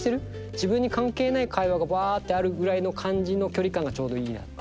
自分に関係ない会話がバーッてあるぐらいの感じの距離感がちょうどいいなって。